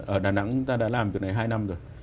ở đà nẵng chúng ta đã làm việc này hai năm rồi